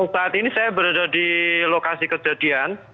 saat ini saya berada di lokasi kejadian